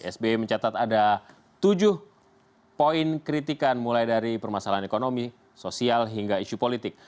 sbi mencatat ada tujuh poin kritikan mulai dari permasalahan ekonomi sosial hingga isu politik